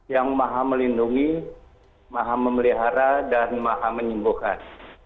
yang maha melindungi maha memelihara dan maha menyembuhkan